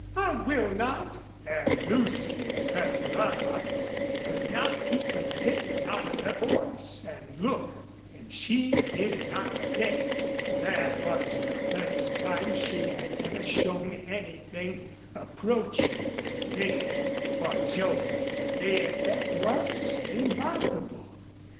"I will not!" And Lucy, with her blood up, could not keep contempt out of voice and look, and she did not care. That was the first time she had ever shown anything, approaching ridicule for Joel. The effect was remarkable.